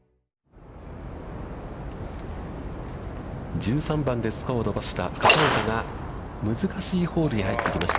１３番でスコアを伸ばした片岡が難しいホールに入ってきました。